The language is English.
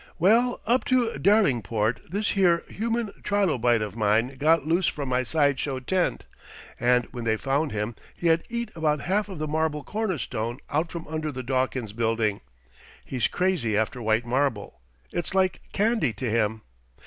"Well, up to Derlingport this here Human Trilobite of mine got loose from my side show tent, and when they found him he had eat about half of the marble cornerstone out from under the Dawkins Building. He's crazy after white marble. It's like candy to him.